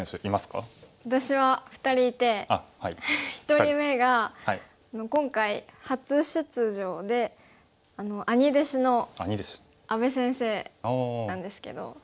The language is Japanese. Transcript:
１人目が今回初出場で兄弟子の阿部先生なんですけど。